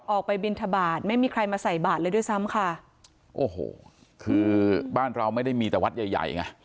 ออกไปบินทบาทไม่มีใครมาใส่บาทเลยด้วยซ้ำค่ะโอ้โหคือบ้านเราไม่ได้มีแต่วัดใหญ่ใหญ่ไง